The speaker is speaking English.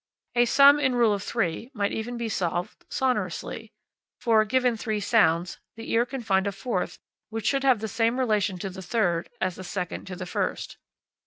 A sum in rule of three might even be solved sonorously; for, given three sounds, the ear can find a fourth which should have the same relation to the third as the second to the first.